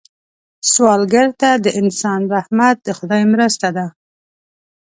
سوالګر ته د انسان رحمت د خدای مرسته ده